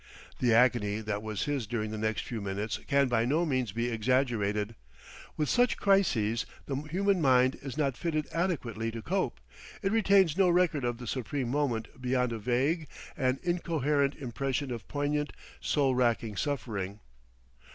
The agony that was his during the next few minutes can by no means be exaggerated. With such crises the human mind is not fitted adequately to cope; it retains no record of the supreme moment beyond a vague and incoherent impression of poignant, soul racking suffering.